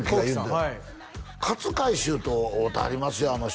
はい「勝海舟と会うてはりますよあの人」